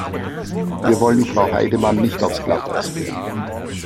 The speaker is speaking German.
Wir wollen Frau Heidemann nicht aufs Glatteis führen.